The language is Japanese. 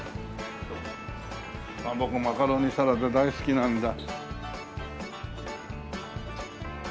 あっ僕マカロニサラダ大好きなんだ。